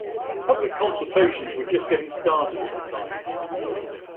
Public consultations were just getting started at the time.